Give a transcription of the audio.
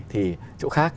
thì chỗ khác